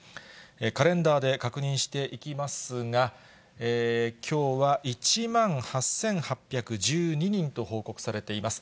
カレンダーで確認していきますが、きょうは１万８８１２人と報告されています。